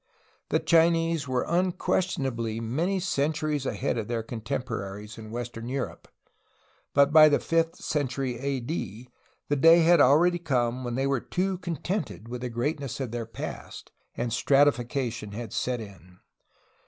the Chinese were unquestionably many centuries ahead of their contem poraries in western Europe, but by the fifth century A. D. the day had already come when they were too contented with the greatness of their past, and stratification had set in.